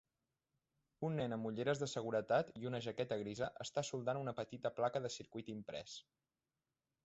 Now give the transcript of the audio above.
Un nen amb ulleres de seguretat i una jaqueta grisa està soldant una petita placa de circuit imprès.